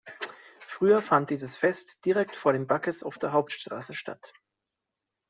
Früher fand dieses Fest direkt vor dem Backes auf der Hauptstraße statt.